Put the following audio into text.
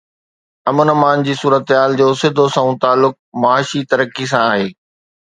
امن امان جي صورتحال جو سڌو سنئون تعلق معاشي ترقي سان آهي